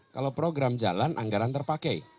kalau program jalan anggaran terpakai